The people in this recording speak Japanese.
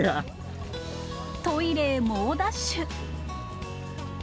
トイレへ猛ダッシュ。